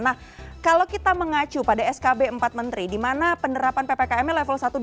nah kalau kita mengacu pada skb empat menteri di mana penerapan ppkm level satu dua